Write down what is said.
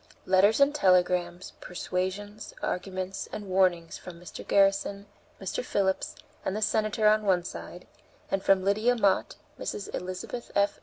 Letters and telegrams, persuasions, arguments, and warnings from Mr. Garrison, Mr. Phillips, and the Senator on the one side, and from Lydia Mott, Mrs. Elizabeth F.